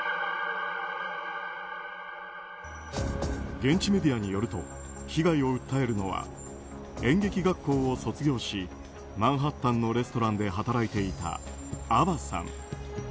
現地メディアによると被害を訴えるのは演劇学校を卒業しマンハッタンのレストランで働いていたアヴァさん。